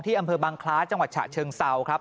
อำเภอบังคล้าจังหวัดฉะเชิงเซาครับ